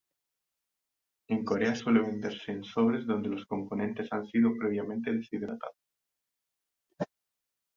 En Corea suele venderse en sobres donde los componentes han sido previamente deshidratados.